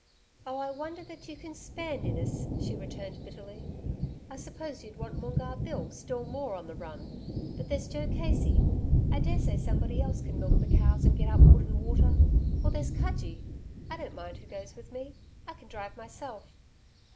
'Oh, I wonder that you can spare Ninnis,' she returned bitterly. 'I suppose you'd want Moongarr Bill still more on the run. But there's Joe Casey I daresay somebody else can milk the cows, and get up wood and water. Or there's Cudgee I don't mind who goes with me.... I can drive myself.'